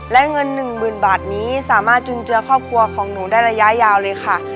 และเงิน๑๐๐๐บาทนี้สามารถจุนเจือครอบครัวของหนูได้ระยะยาวเลยค่ะ